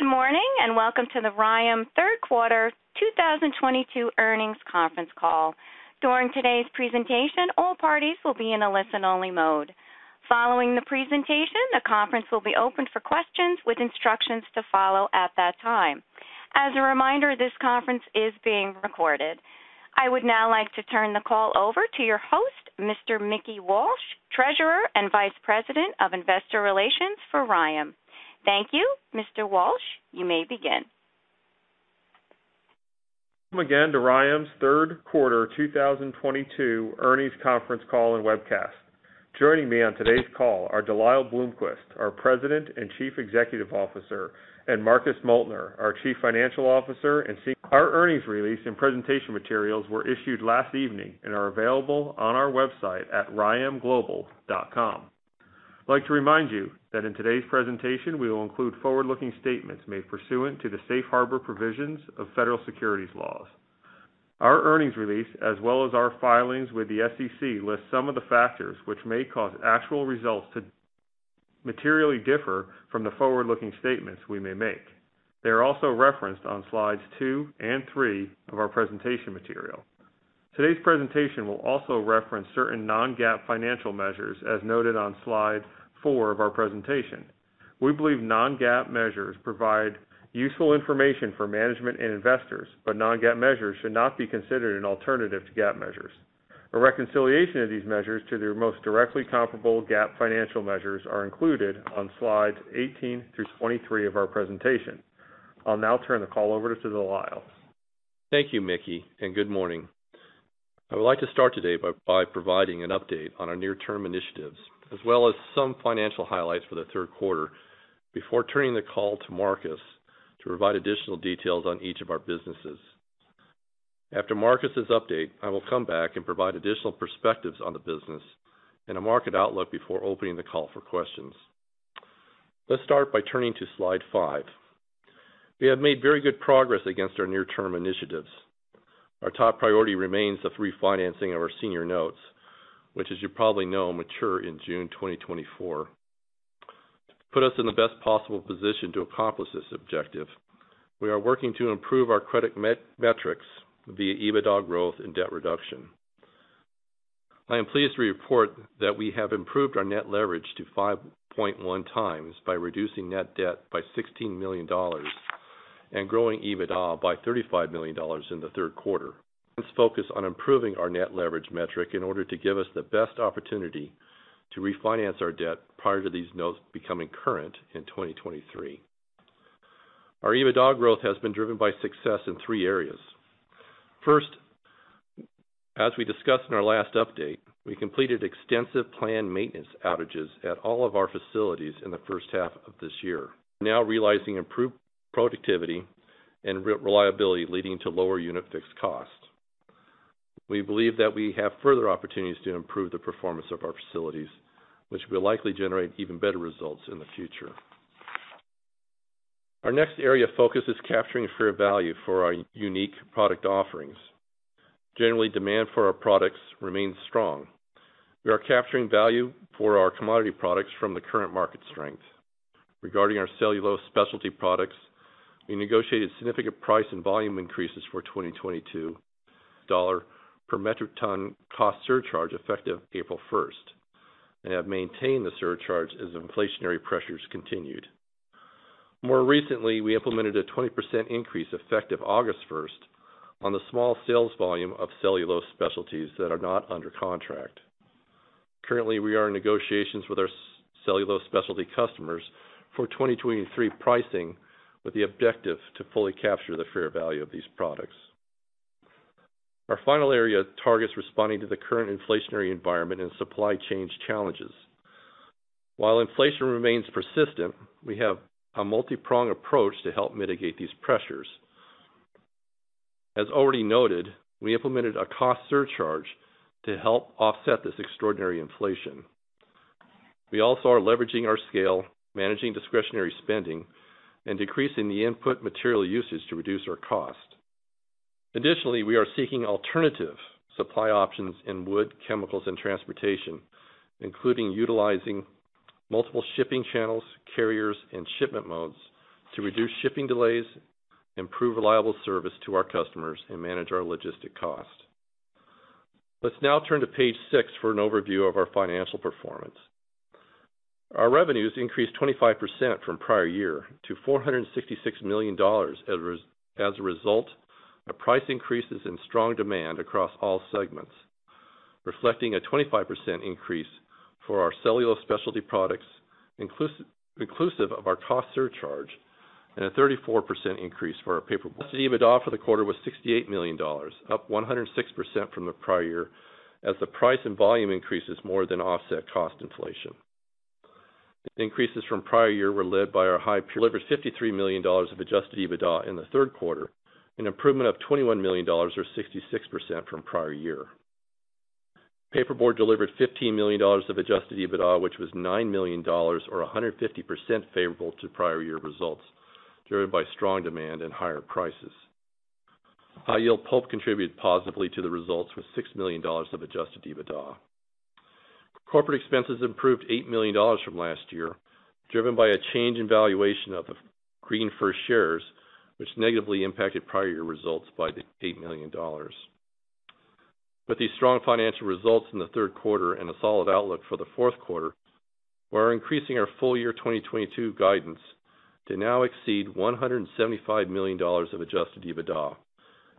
Good morning, and welcome to the RYAM third quarter 2022 earnings conference call. During today's presentation, all parties will be in a listen-only mode. Following the presentation, the conference will be opened for questions with instructions to follow at that time. As a reminder, this conference is being recorded. I would now like to turn the call over to your host, Mr. Mickey Walsh, Treasurer and Vice President of Investor Relations for RYAM. Thank you. Mr. Walsh, you may begin. Welcome again to RYAM's third quarter 2022 earnings conference call and webcast. Joining me on today's call are DeLyle Bloomquist, our President and Chief Executive Officer, and Marcus Moeltner, our Chief Financial Officer. Our earnings release and presentation materials were issued last evening and are available on our website at ryam.com. I'd like to remind you that in today's presentation, we will include forward-looking statements made pursuant to the safe harbor provisions of federal securities laws. Our earnings release, as well as our filings with the SEC, lists some of the factors which may cause actual results to materially differ from the forward-looking statements we may make. They are also referenced on slides two and three of our presentation material. Today's presentation will also reference certain non-GAAP financial measures as noted on slide four of our presentation. We believe non-GAAP measures provide useful information for management and investors, but non-GAAP measures should not be considered an alternative to GAAP measures. A reconciliation of these measures to their most directly comparable GAAP financial measures are included on slides 18 through 23 of our presentation. I'll now turn the call over to DeLyle. Thank you, Mickey, and good morning. I would like to start today by providing an update on our near-term initiatives as well as some financial highlights for the third quarter before turning the call to Marcus to provide additional details on each of our businesses. After Marcus's update, I will come back and provide additional perspectives on the business and a market outlook before opening the call for questions. Let's start by turning to slide 5. We have made very good progress against our near-term initiatives. Our top priority remains the refinancing of our senior notes, which as you probably know, mature in June 2024. To put us in the best possible position to accomplish this objective, we are working to improve our credit metrics via EBITDA growth and debt reduction. I am pleased to report that we have improved our net leverage to 5.1x by reducing net debt by $16 million and growing EBITDA by $35 million in the third quarter. Let's focus on improving our net leverage metric in order to give us the best opportunity to refinance our debt prior to these notes becoming current in 2023. Our EBITDA growth has been driven by success in three areas. First, as we discussed in our last update, we completed extensive planned maintenance outages at all of our facilities in the first half of this year. We're now realizing improved productivity and reliability, leading to lower unit fixed costs. We believe that we have further opportunities to improve the performance of our facilities, which will likely generate even better results in the future. Our next area of focus is capturing fair value for our unique product offerings. Generally, demand for our products remains strong. We are capturing value for our commodity products from the current market strength. Regarding our Cellulose Specialties products, we negotiated significant price and volume increases for 2022. Dollar per metric ton cost surcharge effective April 1st, and have maintained the surcharge as inflationary pressures continued. More recently, we implemented a 20% increase effective August 1st on the small sales volume of Cellulose Specialties that are not under contract. Currently, we are in negotiations with our Cellulose Specialties customers for 2023 pricing with the objective to fully capture the fair value of these products. Our final area targets responding to the current inflationary environment and supply chain challenges. While inflation remains persistent, we have a multipronged approach to help mitigate these pressures. As already noted, we implemented a cost surcharge to help offset this extraordinary inflation. We also are leveraging our scale, managing discretionary spending, and decreasing the input material usage to reduce our cost. Additionally, we are seeking alternative supply options in wood, chemicals, and transportation, including utilizing multiple shipping channels, carriers, and shipment modes to reduce shipping delays, improve reliable service to our customers, and manage our logistics cost. Let's now turn to page six for an overview of our financial performance. Our revenues increased 25% from prior year to $466 million as a result of price increases and strong demand across all segments, reflecting a 25% increase for our Cellulose Specialties products, inclusive of our cost surcharge, and a 34% increase for our paperboard. Adjusted EBITDA for the quarter was $68 million, up 106% from the prior year as the price and volume increases more than offset cost inflation. Increases from prior year were led by our High-Purity delivered $53 million of adjusted EBITDA in the third quarter, an improvement of $21 million or 66% from prior year. Paperboard delivered $15 million of adjusted EBITDA, which was $9 million or 150% favorable to prior year results, driven by strong demand and higher prices. High-Yield Pulp contributed positively to the results with $6 million of adjusted EBITDA. Corporate expenses improved $8 million from last year, driven by a change in valuation of the GreenFirst shares, which negatively impacted prior year results by the $8 million. With these strong financial results in the third quarter and a solid outlook for the fourth quarter, we are increasing our full year 2022 guidance to now exceed $175 million of adjusted EBITDA,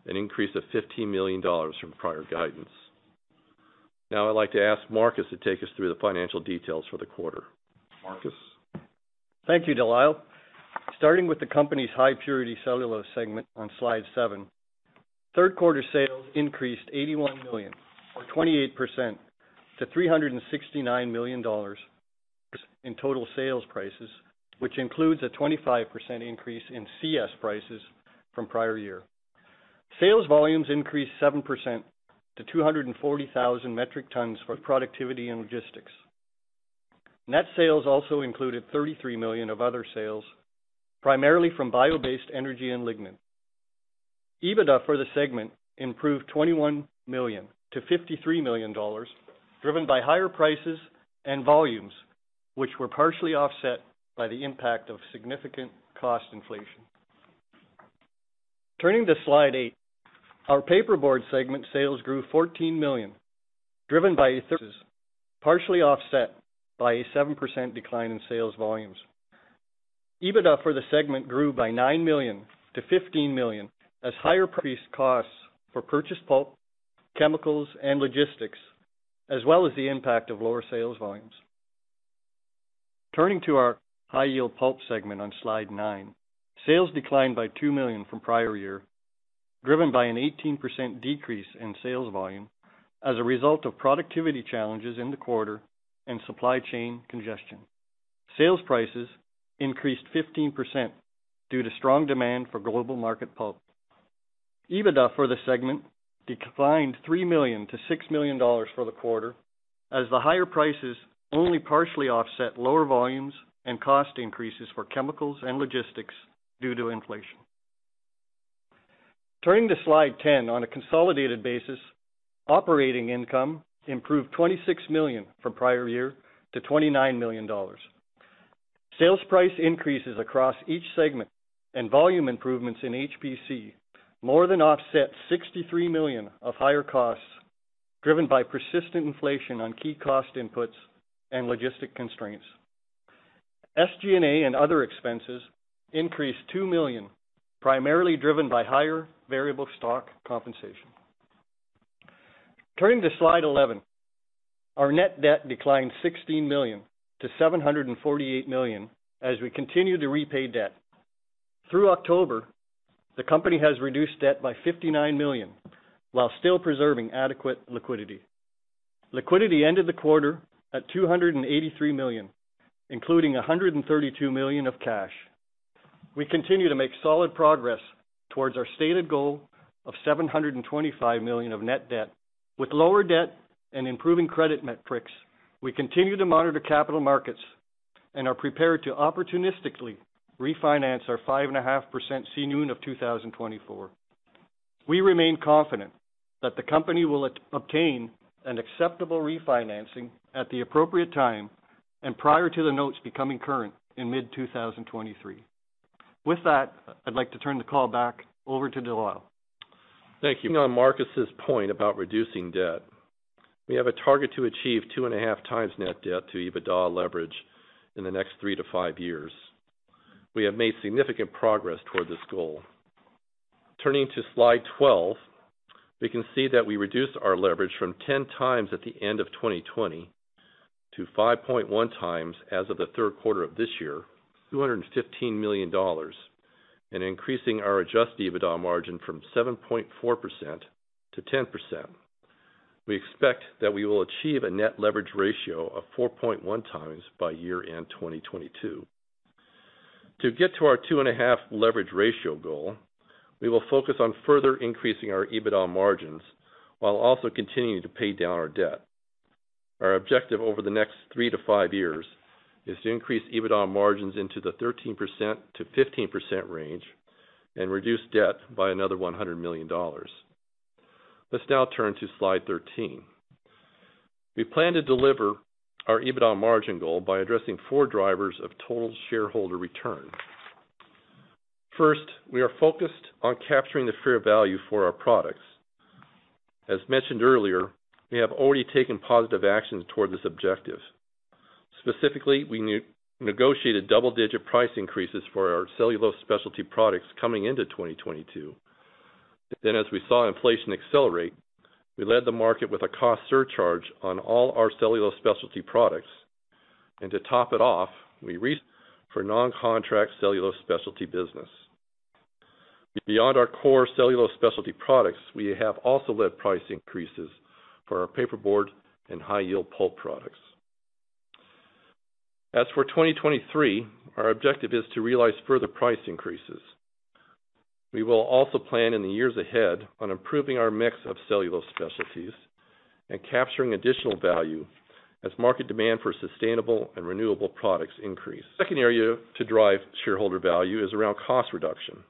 an increase of $15 million from prior guidance. Now I'd like to ask Marcus to take us through the financial details for the quarter. Marcus? Thank you, DeLyle. Starting with the company's High-Purity Cellulose segment on slide 7, third quarter sales increased $81 million or 28% to $369 million in total sales prices, which includes a 25% increase in CS prices from prior year. Sales volumes increased 7% to 240,000 metric tons for productivity and logistics. Net sales also included $33 million of other sales, primarily from bio-based energy and lignin. EBITDA for the segment improved $21 million to $53 million, driven by higher prices and volumes, which were partially offset by the impact of significant cost inflation. Turning to slide eight, our Paperboard segment sales grew $14 million, driven by 30% partially offset by a 7% decline in sales volumes. EBITDA for the segment grew by $9 million to $15 million as higher prices, costs for purchased pulp, chemicals, and logistics, as well as the impact of lower sales volumes. Turning to our High-Yield Pulp segment on slide nine, sales declined by $2 million from prior year, driven by an 18% decrease in sales volume as a result of productivity challenges in the quarter and supply chain congestion. Sales prices increased 15% due to strong demand for global market pulp. EBITDA for the segment declined $3 million to $6 million for the quarter as the higher prices only partially offset lower volumes and cost increases for chemicals and logistics due to inflation. Turning to slide 10, on a consolidated basis, operating income improved $26 million from prior year to $29 million. Sales price increases across each segment and volume improvements in HPC more than offset $63 million of higher costs driven by persistent inflation on key cost inputs and logistics constraints. SG&A and other expenses increased $2 million, primarily driven by higher variable stock compensation. Turning to slide 11, our net debt declined $16 million to $748 million as we continue to repay debt. Through October, the company has reduced debt by $59 million while still preserving adequate liquidity. Liquidity ended the quarter at $283 million, including $132 million of cash. We continue to make solid progress towards our stated goal of $725 million of net debt. With lower debt and improving credit metrics, we continue to monitor capital markets and are prepared to opportunistically refinance our 5.5% senior notes of 2024. We remain confident that the company will obtain an acceptable refinancing at the appropriate time and prior to the notes becoming current in mid-2023. With that, I'd like to turn the call back over to DeLyle. Thank you. On Marcus's point about reducing debt, we have a target to achieve 2.5x net debt to EBITDA leverage in the next 3-5 years. We have made significant progress toward this goal. Turning to slide 12, we can see that we reduced our leverage from 10x at the end of 2020 to 5.1x as of the third quarter of this year, $215 million, and increasing our adjusted EBITDA margin from 7.4%-10%. We expect that we will achieve a net leverage ratio of 4.1x by year-end 2022. To get to our 2.5 leverage ratio goal, we will focus on further increasing our EBITDA margins while also continuing to pay down our debt. Our objective over the next 3-5 years is to increase EBITDA margins into the 13%-15% range and reduce debt by another $100 million. Let's now turn to slide 13. We plan to deliver our EBITDA margin goal by addressing four drivers of total shareholder return. First, we are focused on capturing the fair value for our products. As mentioned earlier, we have already taken positive action toward this objective. Specifically, we negotiated double-digit price increases for our Cellulose Specialties products coming into 2022. As we saw inflation accelerate, we led the market with a cost surcharge on all our Cellulose Specialties products. Beyond our core Cellulose Specialties products, we have also led price increases for our Paperboard and High-Yield Pulp products. As for 2023, our objective is to realize further price increases. We will also plan in the years ahead on improving our mix of Cellulose Specialties and capturing additional value as market demand for sustainable and renewable products increase. Second area to drive shareholder value is around cost reduction.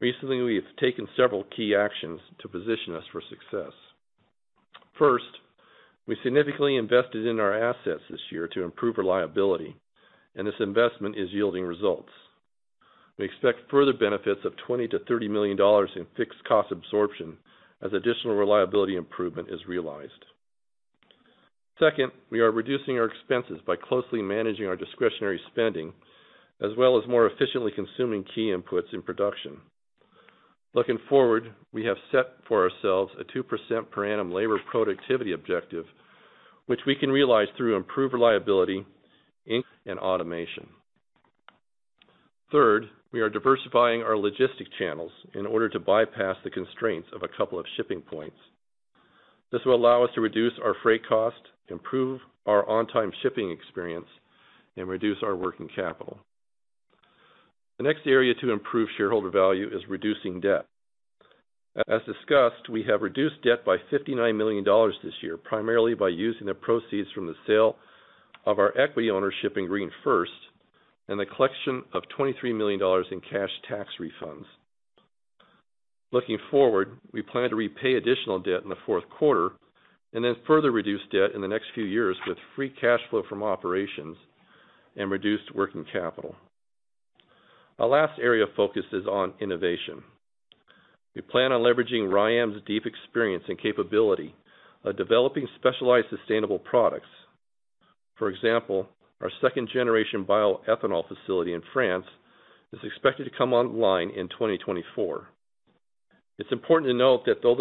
Recently, we have taken several key actions to position us for success. First, we significantly invested in our assets this year to improve reliability, and this investment is yielding results. We expect further benefits of $20 million-$30 million in fixed cost absorption as additional reliability improvement is realized. Second, we are reducing our expenses by closely managing our discretionary spending as well as more efficiently consuming key inputs in production. Looking forward, we have set for ourselves a 2% per annum labor productivity objective, which we can realize through improved reliability, ink, and automation. Third, we are diversifying our logistic channels in order to bypass the constraints of a couple of shipping points. This will allow us to reduce our freight cost, improve our on-time shipping experience, and reduce our working capital. The next area to improve shareholder value is reducing debt. As discussed, we have reduced debt by $59 million this year, primarily by using the proceeds from the sale of our equity ownership in GreenFirst and the collection of $23 million in cash tax refunds. Looking forward, we plan to repay additional debt in the fourth quarter and then further reduce debt in the next few years with free cash flow from operations and reduced working capital. Our last area of focus is on innovation. We plan on leveraging RYAM's deep experience and capability of developing specialized sustainable products. For example, our second-generation bioethanol facility in France is expected to come online in 2024. It's important to note that though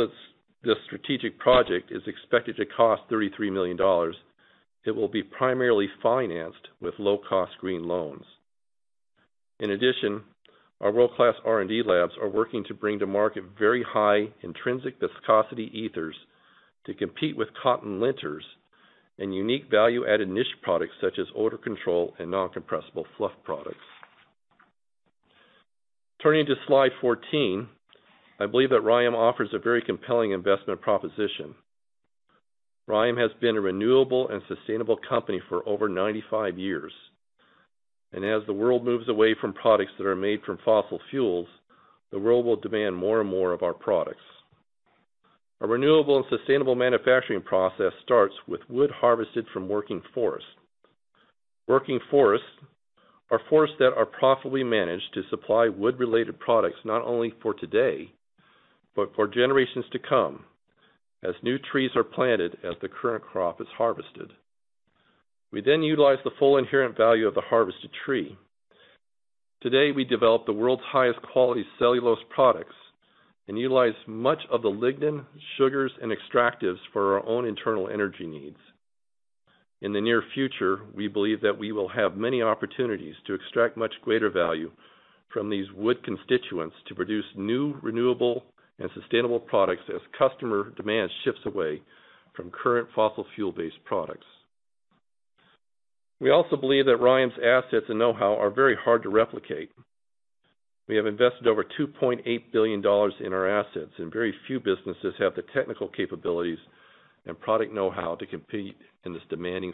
this strategic project is expected to cost $33 million, it will be primarily financed with low-cost green loans. In addition, our world-class R&D labs are working to bring to market very high intrinsic viscosity ethers to compete with cotton linters and unique value-added niche products such as odor control and non-compressible fluff products. Turning to Slide 14, I believe that RYAM offers a very compelling investment proposition. RYAM has been a renewable and sustainable company for over 95 years, and as the world moves away from products that are made from fossil fuels, the world will demand more and more of our products. A renewable and sustainable manufacturing process starts with wood harvested from working forests. Working forests are forests that are profitably managed to supply wood-related products not only for today, but for generations to come as new trees are planted as the current crop is harvested. We then utilize the full inherent value of the harvested tree. Today, we develop the world's highest quality cellulose products and utilize much of the lignin, sugars, and extractives for our own internal energy needs. In the near future, we believe that we will have many opportunities to extract much greater value from these wood constituents to produce new renewable and sustainable products as customer demand shifts away from current fossil fuel-based products. We also believe that RYAM's assets and know-how are very hard to replicate. We have invested over $2.8 billion in our assets, and very few businesses have the technical capabilities and product know-how to compete in this demanding.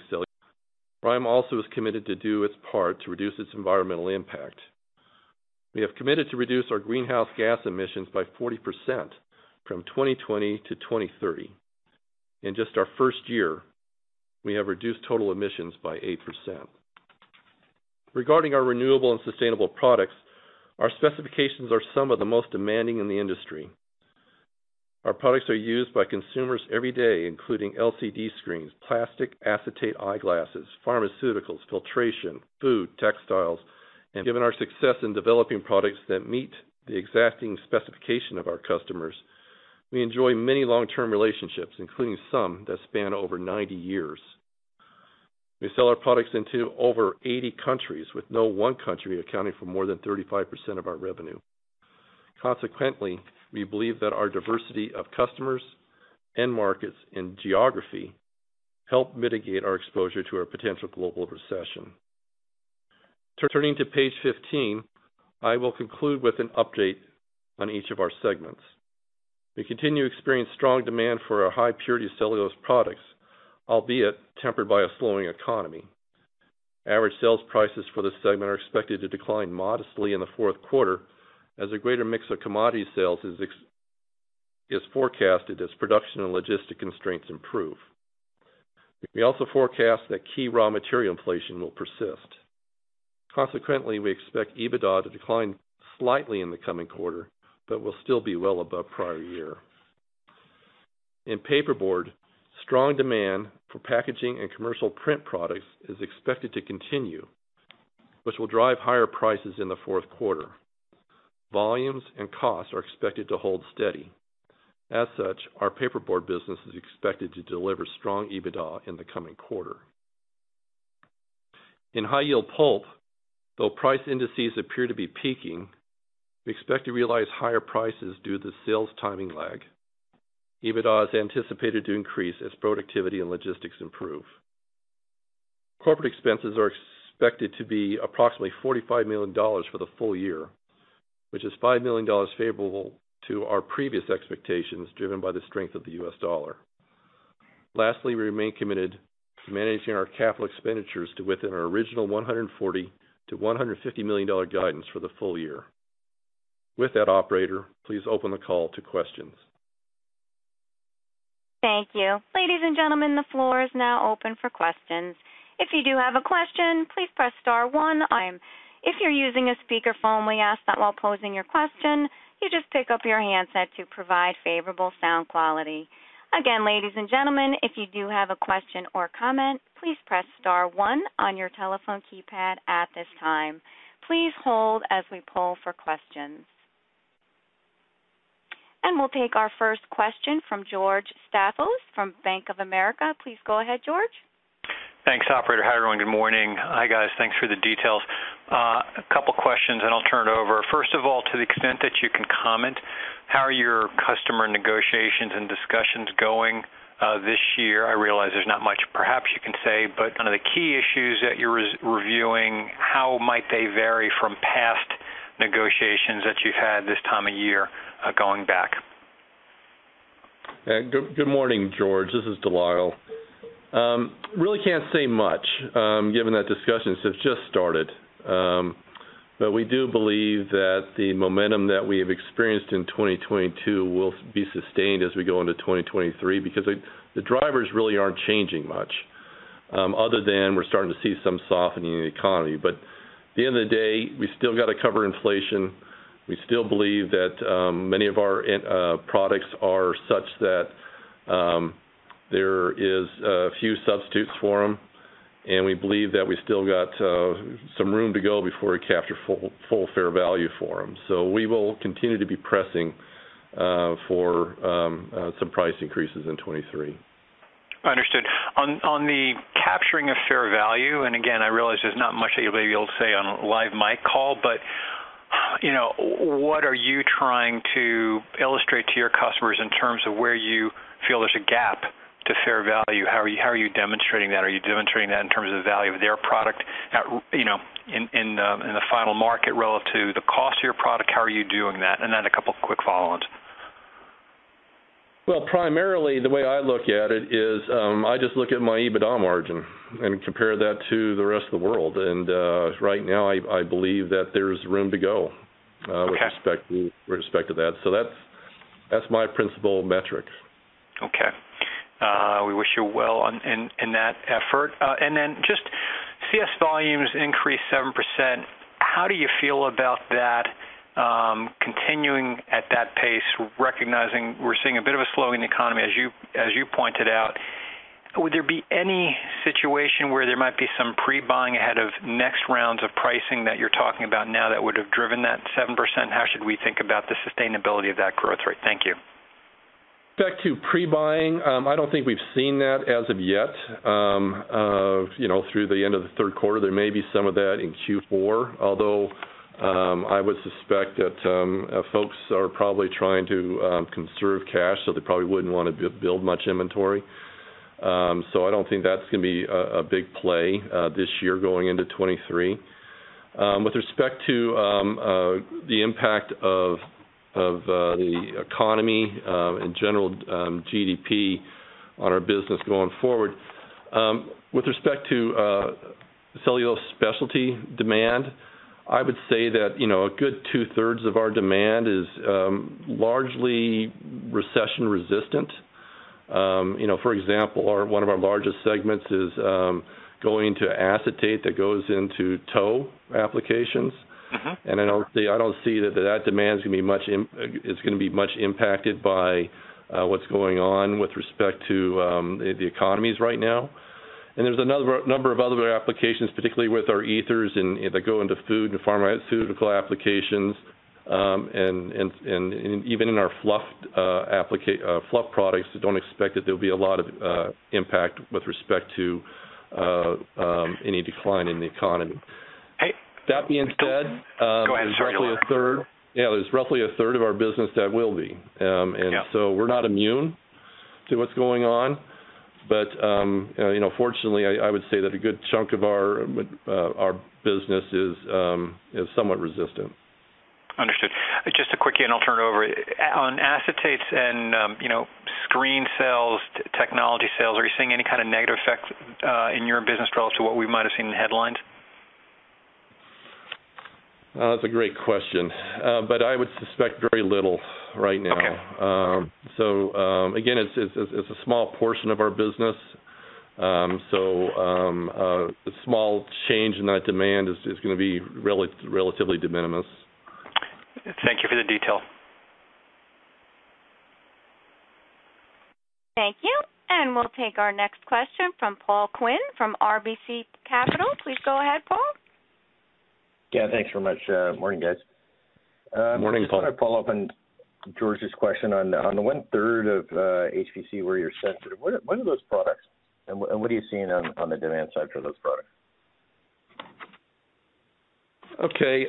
RYAM also is committed to do its part to reduce its environmental impact. We have committed to reduce our greenhouse gas emissions by 40% from 2020 to 2030. In just our first year, we have reduced total emissions by 8%. Regarding our renewable and sustainable products, our specifications are some of the most demanding in the industry. Our products are used by consumers every day, including LCD screens, plastic acetate eyeglasses, pharmaceuticals, filtration, food, textiles, and given our success in developing products that meet the exacting specification of our customers, we enjoy many long-term relationships, including some that span over 90 years. We sell our products into over 80 countries, with no one country accounting for more than 35% of our revenue. Consequently, we believe that our diversity of customers and markets and geography help mitigate our exposure to a potential global recession. Turning to page 15, I will conclude with an update on each of our segments. We continue to experience strong demand for our High-Purity Cellulose products, albeit tempered by a slowing economy. Average sales prices for this segment are expected to decline modestly in the fourth quarter as a greater mix of commodity sales is forecasted as production and logistics constraints improve. We also forecast that key raw material inflation will persist. Consequently, we expect EBITDA to decline slightly in the coming quarter, but will still be well above prior year. In Paperboard, strong demand for packaging and commercial print products is expected to continue, which will drive higher prices in the fourth quarter. Volumes and costs are expected to hold steady. As such, our Paperboard business is expected to deliver strong EBITDA in the coming quarter. In High-Yield Pulp, though price indices appear to be peaking, we expect to realize higher prices due to the sales timing lag. EBITDA is anticipated to increase as productivity and logistics improve. Corporate expenses are expected to be approximately $45 million for the full year, which is $5 million favorable to our previous expectations, driven by the strength of the US dollar. Lastly, we remain committed to managing our capital expenditures to within our original $140 million-$150 million guidance for the full year. With that, operator, please open the call to questions. Thank you. Ladies and gentlemen, the floor is now open for questions. If you do have a question, please press star one. If you're using a speaker phone, we ask that while posing your question, you just pick up your handset to provide favorable sound quality. Again, ladies and gentlemen, if you do have a question or comment, please press star one on your telephone keypad at this time. Please hold as we poll for questions. We'll take our first question from George Staphos from Bank of America. Please go ahead, George. Thanks, operator. Hi, everyone. Good morning. Hi, guys. Thanks for the details. A couple questions, and I'll turn it over. First of all, to the extent that you can comment, how are your customer negotiations and discussions going, this year? I realize there's not much perhaps you can say, but kind of the key issues that you're re-reviewing, how might they vary from past negotiations that you've had this time of year, going back? Good morning, George. This is DeLyle. Really can't say much, given that discussions have just started. We do believe that the momentum that we have experienced in 2022 will be sustained as we go into 2023 because the drivers really aren't changing much, other than we're starting to see some softening in the economy. At the end of the day, we still got to cover inflation. We still believe that many of our products are such that there is a few substitutes for them, and we believe that we still got some room to go before we capture full fair value for them. We will continue to be pressing for some price increases in 2023. Understood. On the capturing of fair value, and again, I realize there's not much that you'll maybe be able to say on a live mic call, but, you know, what are you trying to illustrate to your customers in terms of where you feel there's a gap to fair value? How are you demonstrating that? Are you demonstrating that in terms of the value of their product at, you know, in the final market relative to the cost of your product? How are you doing that? A couple quick follow-ons. Well, primarily the way I look at it is, I just look at my EBITDA margin and compare that to the rest of the world. Right now I believe that there's room to go- Okay with respect to that. That's my principal metric. Okay. We wish you well in that effort. Just CS volumes increased 7%. How do you feel about that, continuing at that pace, recognizing we're seeing a bit of a slowdown in the economy, as you pointed out? Would there be any situation where there might be some pre-buying ahead of next rounds of pricing that you're talking about now that would have driven that 7%? How should we think about the sustainability of that growth rate? Thank you. Back to pre-buying, I don't think we've seen that as of yet, you know, through the end of the third quarter. There may be some of that in Q4, although I would suspect that folks are probably trying to conserve cash, so they probably wouldn't wanna build much inventory. I don't think that's gonna be a big play this year going into 2023. With respect to the impact of the economy and general GDP on our business going forward, with respect to Cellulose Specialties demand, I would say that you know, a good two-thirds of our demand is largely recession-resistant. You know, for example, one of our largest segments is going to acetate that goes into tow applications. Mm-hmm. I don't see that demand is gonna be much impacted by what's going on with respect to the economies right now. There's a number of other applications, particularly with our ethers that go into food and pharmaceutical applications, and even in our fluff products, I don't expect that there'll be a lot of impact with respect to any decline in the economy. Hey- That being said. Go ahead, sorry to interrupt. There's roughly a third of our business that will be. Yeah We're not immune to what's going on. You know, fortunately, I would say that a good chunk of our business is somewhat resistant. Understood. Just a quickie, and I'll turn it over. On acetates and, you know, screen sales, technology sales, are you seeing any kind of negative effect, in your business relative to what we might have seen in the headlines? That's a great question. I would suspect very little right now. Okay. Again, it's a small portion of our business. A small change in that demand is gonna be relatively de minimis. Thank you for the detail. Thank you. We'll take our next question from Paul Quinn from RBC Capital. Please go ahead, Paul. Yeah, thanks very much. Morning, guys. Morning, Paul. I just wanna follow up on George's question on the 1/3 of HPC where you're sensitive. What are those products, and what are you seeing on the demand side for those products? Okay.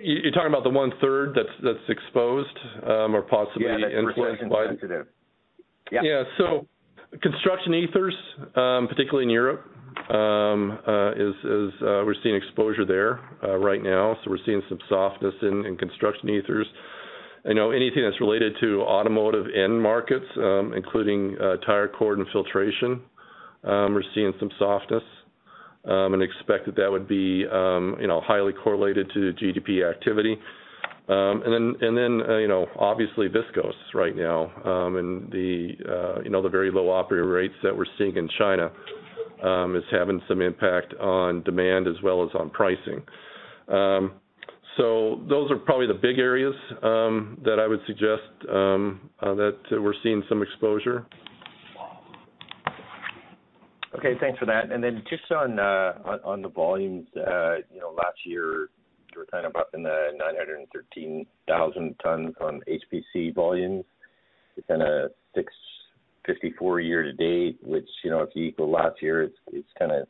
You're talking about the one-third that's exposed or possibly influenced by. Yeah, that's sensitive. Yeah. Yeah. Cellulose ethers, particularly in Europe, is we're seeing exposure there, right now. We're seeing some softness in cellulose ethers. In anything that's related to automotive end markets, including tire cord and filtration, we're seeing some softness, and expect that would be, you know, highly correlated to the GDP activity. You know, obviously viscose right now, and you know, the very low operating rates that we're seeing in China is having some impact on demand as well as on pricing. Those are probably the big areas that I would suggest that we're seeing some exposure. Okay, thanks for that. Just on the volumes, you know, last year, you were kind of up in the 913,000 tons on HPC volumes. It's been a 654 year-to-date, which, you know, if you equal last year, it's kinda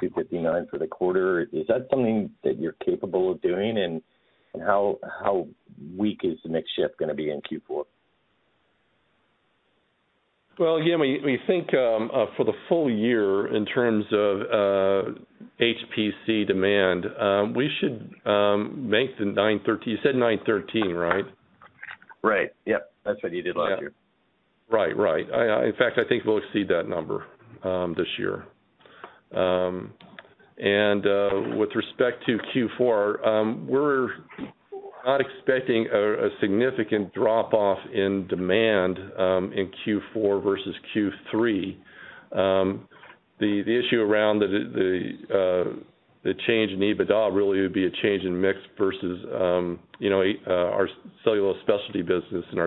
259 for the quarter. Is that something that you're capable of doing, and how weak is the mix shift gonna be in Q4? Well, yeah, we think for the full year in terms of HPC demand, we should make the 930. You said 913, right? Right. Yep. That's what you did last year. Right. In fact, I think we'll exceed that number this year. With respect to Q4, we're not expecting a significant drop-off in demand in Q4 versus Q3. The issue around the change in EBITDA really would be a change in mix versus, you know, our Cellulose Specialties business and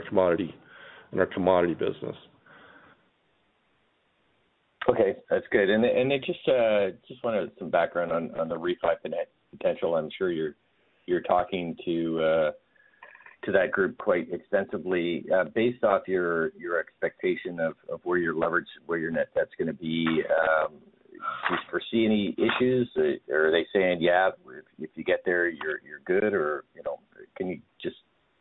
our commodity business. Okay, that's good. Just wanted some background on the refi potential. I'm sure you're talking to that group quite extensively. Based off your expectation of where your leverage, your net debt's gonna be, do you foresee any issues? Are they saying, "Yeah, if you get there, you're good," or, you know. Can you just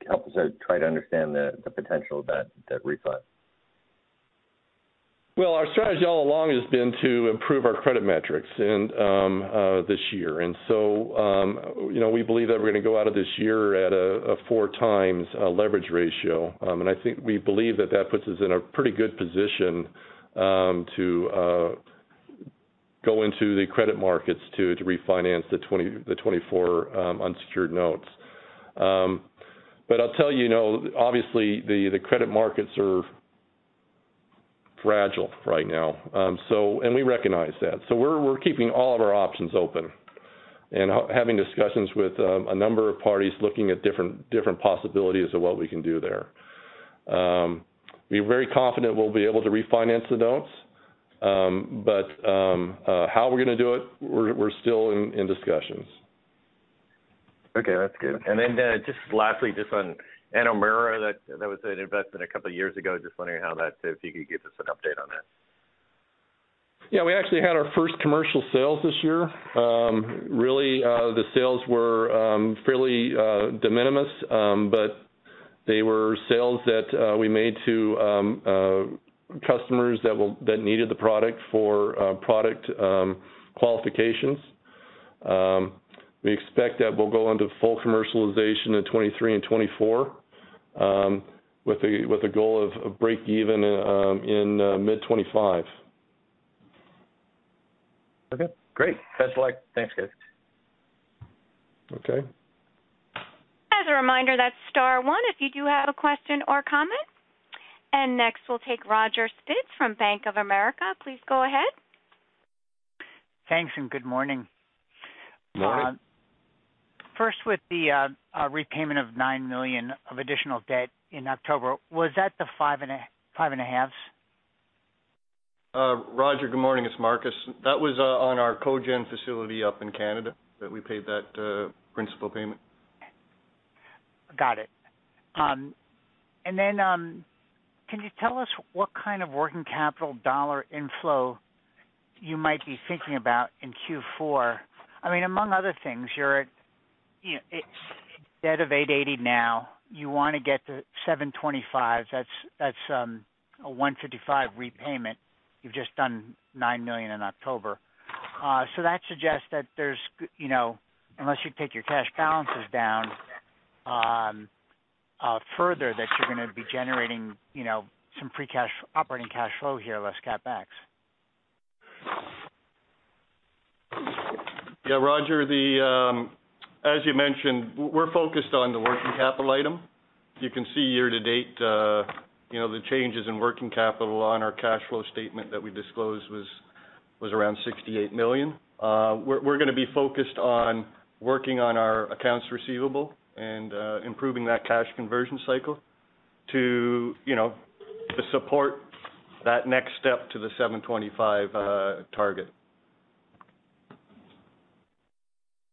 help us out try to understand the potential of that refi? Well, our strategy all along has been to improve our credit metrics and this year. You know, we believe that we're gonna go out of this year at a 4x leverage ratio. I think we believe that that puts us in a pretty good position to go into the credit markets to refinance the 2024 unsecured notes. I'll tell you know, obviously the credit markets are fragile right now. We recognize that. We're keeping all of our options open and having discussions with a number of parties looking at different possibilities of what we can do there. We're very confident we'll be able to refinance the notes, but how we're gonna do it, we're still in discussions. Okay, that's good. Just lastly, just on Anomera that was an investment a couple years ago. Just wondering how that. If you could give us an update on that. Yeah, we actually had our first commercial sales this year. Really, the sales were fairly de minimis, but they were sales that we made to customers that needed the product for product qualifications. We expect that we'll go onto full commercialization in 2023 and 2024, with a goal of breakeven in mid-2025. Okay, great. That's all. Thanks, guys. Okay. As a reminder, that's star one if you do have a question or comment. Next we'll take Roger Spitz from Bank of America. Please go ahead. Thanks, and good morning. Morning. First with the repayment of $9 million of additional debt in October, was that the 5.5s? Roger, good morning. It's Marcus. That was on our cogen facility up in Canada that we paid that principal payment. Got it. Can you tell us what kind of working capital dollar inflow you might be thinking about in Q4? I mean, among other things, you're at, you know, it's a debt of $880 million now. You wanna get to $725 million. That's a $155 million repayment. You've just done $9 million in October. That suggests that there's, you know, unless you take your cash balances down further, that you're gonna be generating, you know, some free cash, operating cash flow here less CapEx. Yeah, Roger. As you mentioned, we're focused on the working capital item. You can see year-to-date, you know, the changes in working capital on our cash flow statement that we disclosed was around $68 million. We're gonna be focused on working on our accounts receivable and improving that cash conversion cycle to, you know, to support that next step to the $725 million target.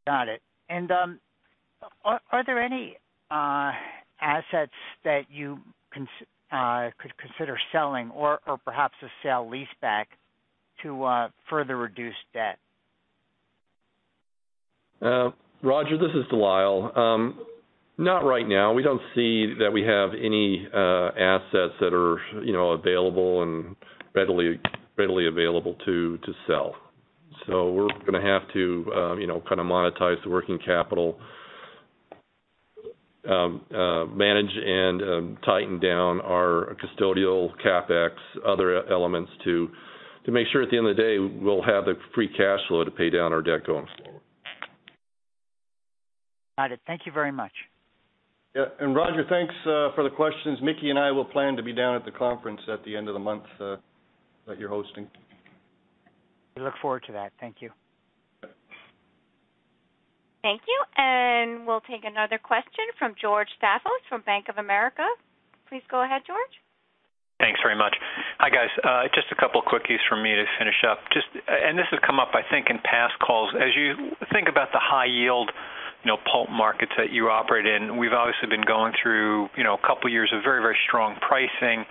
Got it. Are there any assets that you could consider selling or perhaps a sale-leaseback to further reduce debt? Roger, this is DeLyle. Not right now. We don't see that we have any assets that are, you know, available and readily available to sell. We're gonna have to, you know, kinda monetize the working capital, manage and tighten down our custodial CapEx, other elements to make sure at the end of the day, we'll have the free cash flow to pay down our debt going forward. Got it. Thank you very much. Yeah. Roger, thanks for the questions. Mickey and I will plan to be down at the conference at the end of the month that you're hosting. We look forward to that. Thank you. Okay. Thank you. We'll take another question from George Staphos from Bank of America. Please go ahead, George. Thanks very much. Hi, guys. Just a couple quickies from me to finish up. This has come up, I think, in past calls. As you think about the High-Yield Pulp markets that you operate in, we've obviously been going through, you know, a couple years of very, very strong pricing.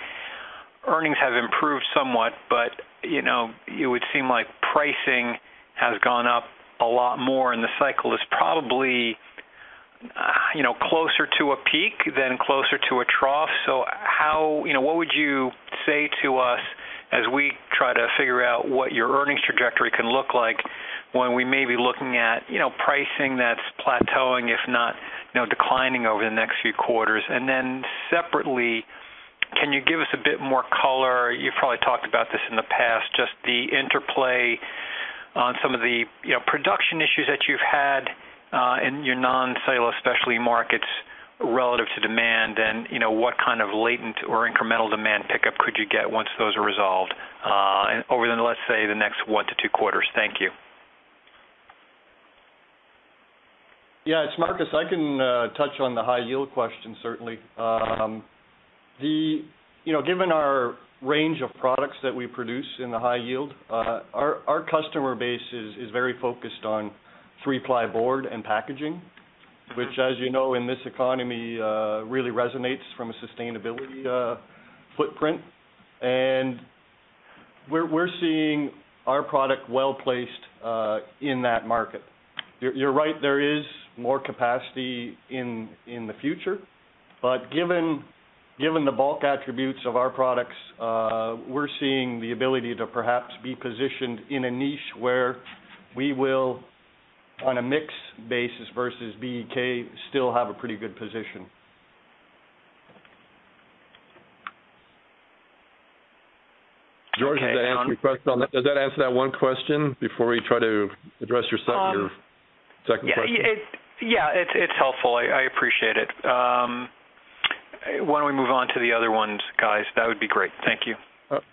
Earnings have improved somewhat, but, you know, it would seem like pricing has gone up a lot more, and the cycle is probably, you know, closer to a peak than closer to a trough. You know, what would you say to us as we try to figure out what your earnings trajectory can look like when we may be looking at, you know, pricing that's plateauing, if not, you know, declining over the next few quarters? Then separately, can you give us a bit more color, you've probably talked about this in the past, just the interplay on some of the, you know, production issues that you've had in your non-Cellulose Specialty markets relative to demand and, you know, what kind of latent or incremental demand pickup could you get once those are resolved over the, let's say, the next 1-2 quarters? Thank you. Yeah. It's Marcus. I can touch on the high yield question, certainly. You know, given our range of products that we produce in the high yield, our customer base is very focused on three-ply board and packaging, which, as you know, in this economy, really resonates from a sustainability footprint. We're seeing our product well-placed in that market. You're right, there is more capacity in the future. Given the bulk attributes of our products, we're seeing the ability to perhaps be positioned in a niche where we will, on a mix basis versus BEK, still have a pretty good position. George, does that answer your question on that? Does that answer that one question before we try to address your second question? Yeah, it's helpful. I appreciate it. Why don't we move on to the other ones, guys? That would be great. Thank you.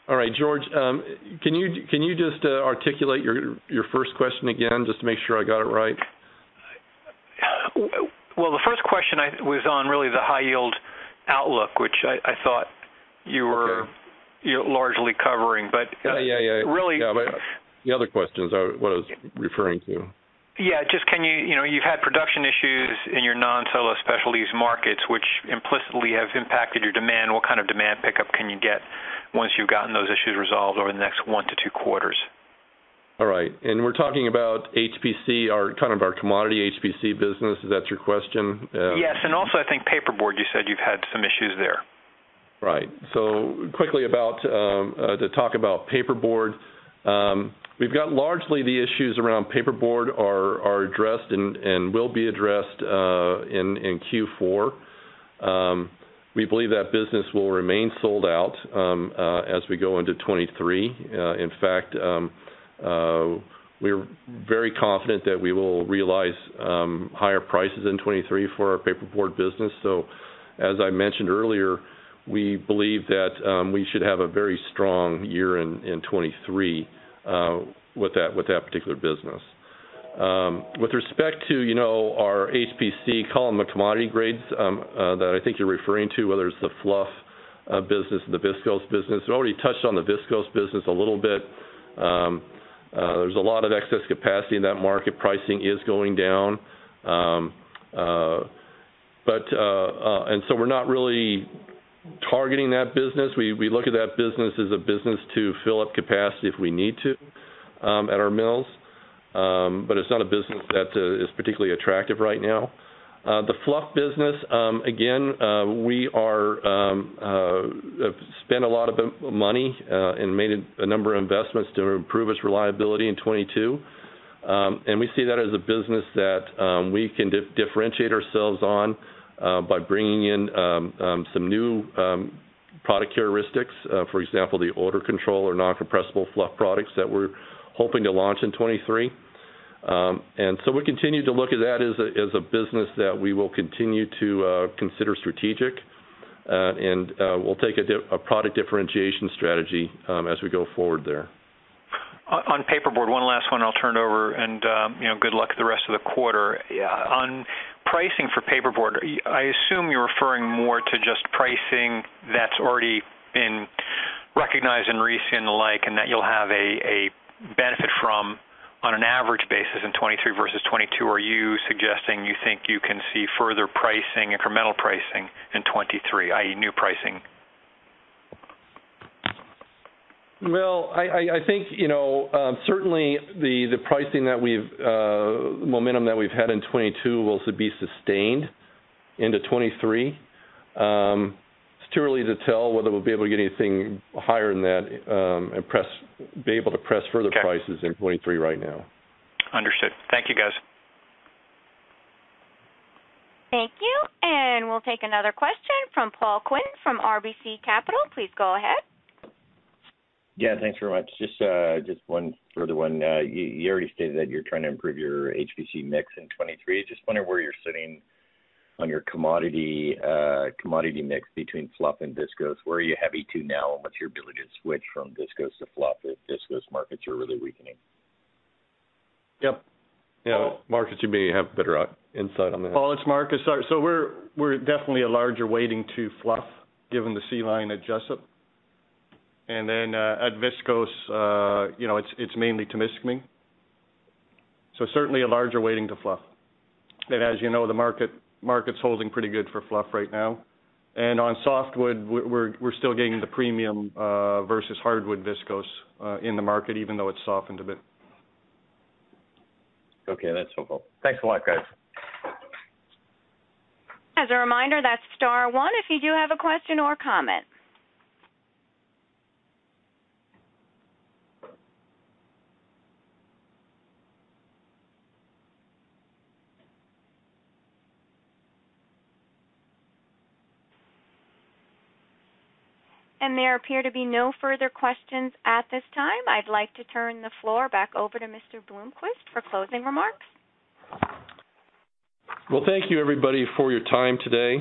All right. George, can you just articulate your first question again just to make sure I got it right? Well, the first question was on really the high-yield outlook, which I thought you were- Okay. you know, largely covering, but- Yeah, yeah. Really- Yeah, the other questions are what I was referring to. You know, you've had production issues in your Cellulose Specialties markets, which implicitly have impacted your demand. What kind of demand pickup can you get once you've gotten those issues resolved over the next 1-2 quarters? All right. We're talking about HPC, our kind of commodity HPC business, is that your question? Yes. Also, I think paperboard, you said you've had some issues there. Right. Quickly about to talk about paperboard. We've got largely the issues around paperboard are addressed and will be addressed in Q4. We believe that business will remain sold out as we go into 2023. In fact, we're very confident that we will realize higher prices in 2023 for our paperboard business. As I mentioned earlier, we believe that we should have a very strong year in 2023 with that particular business. With respect to, you know, our HPC column, the commodity grades that I think you're referring to, whether it's the fluff business or the viscose business. We already touched on the viscose business a little bit. There's a lot of excess capacity in that market. Pricing is going down. We're not really targeting that business. We look at that business as a business to fill up capacity if we need to at our mills. It's not a business that is particularly attractive right now. The fluff business, again, we have spent a lot of money and made a number of investments to improve its reliability in 2022. We see that as a business that we can differentiate ourselves on by bringing in some new product characteristics, for example, the odor control or non-compressible fluff products that we're hoping to launch in 2023. We continue to look at that as a business that we will continue to consider strategic. We'll take a product differentiation strategy as we go forward there. On paperboard, one last one, and I'll turn it over and, you know, good luck with the rest of the quarter. On pricing for paperboard, I assume you're referring more to just pricing that's already been recognized and reset in the like, and that you'll have a benefit from on an average basis in 2023 versus 2022. Are you suggesting you think you can see further pricing, incremental pricing in 2023, i.e., new pricing? Well, I think, you know, certainly the pricing momentum that we've had in 2022 will be sustained into 2023. It's too early to tell whether we'll be able to get anything higher than that and be able to press further prices in 2023 right now. Understood. Thank you, guys. Thank you. We'll take another question from Paul Quinn from RBC Capital Markets. Please go ahead. Yeah, thanks very much. Just one further one. You already stated that you're trying to improve your HPC mix in 2023. Just wondering where you're sitting on your commodity mix between fluff and viscose. Where are you heavy on now, and what's your ability to switch from viscose to fluff if viscose markets are really weakening? Yep. Yeah. Marcus, you may have better insight on that. Paul, it's Marcus. We're definitely a larger weighting to fluff given the C-line at Jesup. Then at viscose, you know, it's mainly Témiscaming. Certainly a larger weighting to fluff. As you know, the market's holding pretty good for fluff right now. On softwood, we're still getting the premium versus hardwood viscose in the market, even though it's softened a bit. Okay, that's helpful. Thanks a lot, guys. As a reminder, that's star one if you do have a question or comment. There appear to be no further questions at this time. I'd like to turn the floor back over to Mr. Bloomquist for closing remarks. Well, thank you, everybody, for your time today.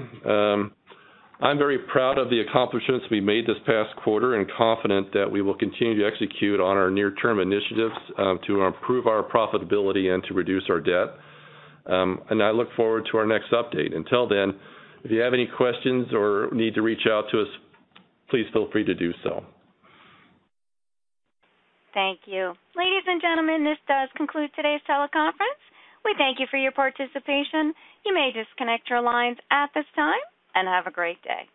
I'm very proud of the accomplishments we made this past quarter and confident that we will continue to execute on our near-term initiatives, to improve our profitability and to reduce our debt. I look forward to our next update. Until then, if you have any questions or need to reach out to us, please feel free to do so. Thank you. Ladies and gentlemen, this does conclude today's teleconference. We thank you for your participation. You may disconnect your lines at this time, and have a great day.